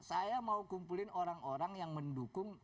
maka saya mengumpulkan orang orang yang mendukung